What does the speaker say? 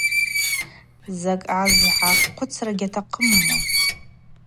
Закӏ азгӏахъвыцра гьатахъымма?